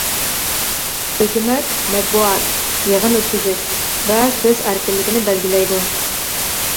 ھۆكۈمەت مەتبۇئات، يىغىن ئۆتكۈزۈش ۋە سۆز ئەركىنلىكىنى بەلگىلەيدۇ.